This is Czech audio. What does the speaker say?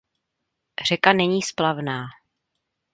Řeka není splavná.